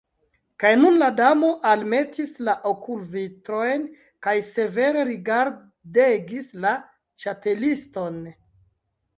Kaj nun la Damo almetis la okulvitrojn kaj severe rigardegis la Ĉapeliston.